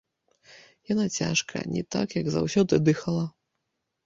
Яна цяжка, не так, як заўсёды, дыхала.